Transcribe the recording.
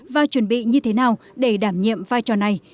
và chuẩn bị như thế nào để đảm nhiệm vai trò này